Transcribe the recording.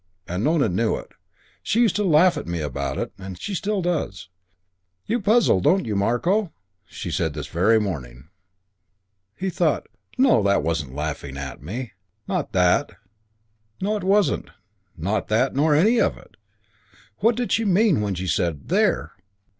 And Nona knew it. She used to laugh at me about it. She still does. 'You puzzle, don't you, Marko?' she said this very morning." He thought, "No, that wasn't laughing at me. Not that. No, it wasn't. Not that nor any of it. What did she mean when she said 'There!'